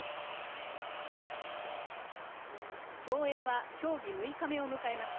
競泳は競技６日目を迎えました。